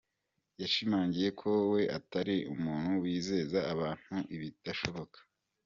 Yashimangiye ko we atari umuntu wizeza abantu ibitazashoboka.